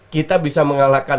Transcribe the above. kita bisa mengalahkan